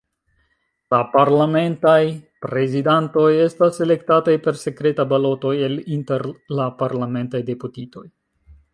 La parlamentaj prezidantoj estas elektataj per sekreta baloto el inter la parlamentaj deputitoj.